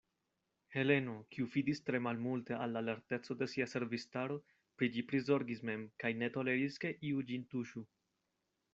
Heleno, kiu fidis tre malmulte al la lerteco de sia servistaro, pri ĝi prizorgis mem, kaj ne toleris, ke iu ĝin tuŝu.